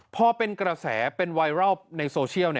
พอเป็นกระแสเป็นไวรัลในโซเชียล